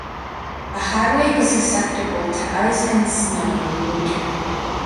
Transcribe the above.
The highway is susceptible to ice and snow in winter.